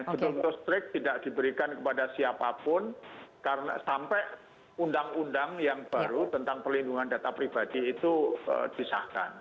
betul betul strict tidak diberikan kepada siapapun karena sampai undang undang yang baru tentang pelindungan data pribadi itu disahkan